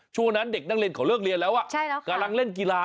ชั่วนั้นเด็กนักเรียนขอเลิกเรียนแล้วอ่ะใช่แล้วค่ะกำลังเล่นกีฬา